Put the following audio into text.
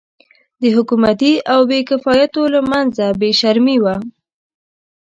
د حکومتي او بې کفایتو له منځه بې شرمي وه.